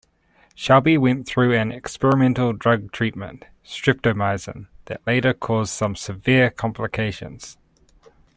Selby went through an experimental drug treatment, streptomycin, that later caused some severe complications.